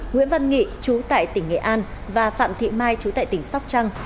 nguyễn văn nghị chú tại tỉnh nghệ an và phạm thị mai chú tại tỉnh sóc trăng